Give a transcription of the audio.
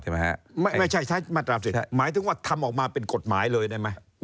ไม่ใช่ใช้มาตรา๔๕หมายถึงว่าทำออกมาเป็นกฎหมายเลยได้ไหม